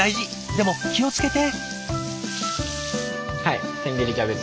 でも気を付けて！